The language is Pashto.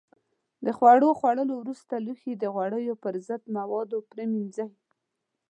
د خوړو خوړلو وروسته لوښي د غوړیو پر ضد موادو پرېمنځئ.